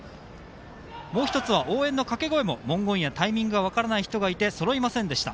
もう１つは応援の掛け声も文言やタイミングが分からない人がいてそろいませんでした。